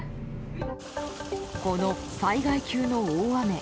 この災害級の大雨